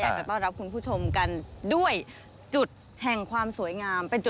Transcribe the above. ยังยุ่งกำกัดการ์ดกีฟานกีฬาแห่งภาคธุรกิจ